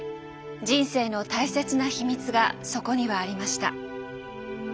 人生の大切な秘密がそこにはありました。